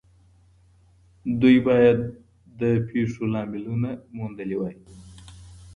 دوی بايد د پېښو لاملونه موندلي وای.